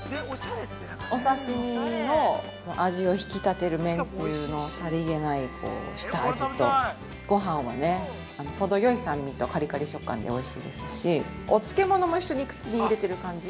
お刺身の味を引き立てる麺つゆのさりげない下味とごはんは、ほどよい酸味とカリカリ食感でおいしいですしお漬物も一緒に口に入れてる感じ。